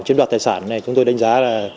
chiếm đoạt tài sản này chúng tôi đánh giá là